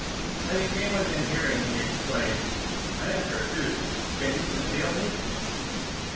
When he came within hearing, he exclaimed: 'I am pursued; can you conceal me?